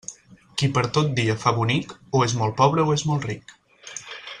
Qui per tot dia fa bonic, o és molt pobre o és molt ric.